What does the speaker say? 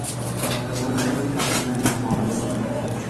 ساختمان پل تقریبا تمام است.